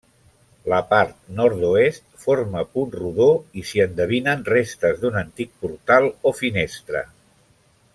La part nord-oest forma punt rodó i s'hi endevinen restes d'un antic portal o finestra.